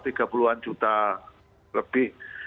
tiga puluhan juta lebih